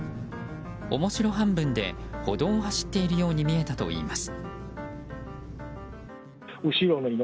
面白半分で歩道を走っているように見えたといいます。